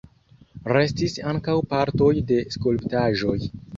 Restis ankaŭ partoj de skulptaĵoj.